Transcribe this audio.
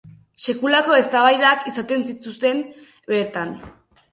Sekulako eztabaidak izaten zituzten bertan.